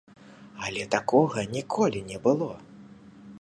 Але такога ніколі не было!